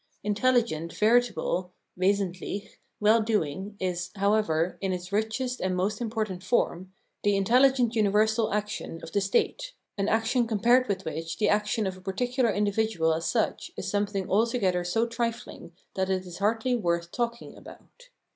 Intelligent, veritable {wesent lich) well doing is, however, in its richest and most important form, the intelligent universal action of the state — an action compared with which the action of a particular individual as such is something altogether so trifling that it is hardly worth talking about.